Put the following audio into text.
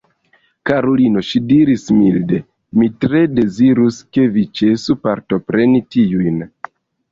Karulino, ŝi diris milde, mi tre dezirus, ke vi ĉesu partopreni tiujn.